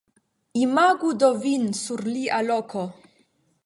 Imagu do vin sur lia loko!